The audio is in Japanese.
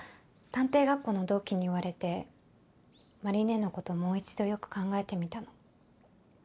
探偵学校の同期に言われて麻里姉のこともう一度よく考えてみたの。